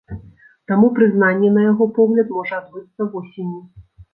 Таму прызнанне, на яго погляд, можа адбыцца восенню.